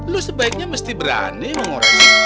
lu sebaiknya mesti berani mengurangi